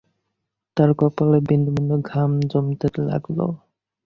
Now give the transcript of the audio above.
তাঁর কপালে বিন্দু-বিন্দু ঘাম জমতে লাগল।